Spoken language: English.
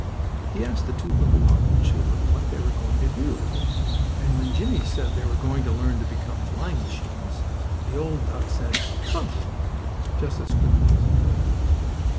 He asked the two Wibblewobble children what they were going to do, and when Jimmie said they were going to learn to become flying machines, the old duck said, "Humph!" just as quickly as he could.